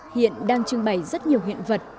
hiện đang trưng bày rất nhiều hiện vật